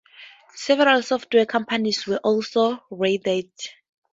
Several software companies were also raided.